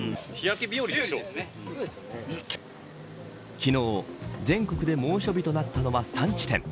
昨日、全国で猛暑日となったのは３地点。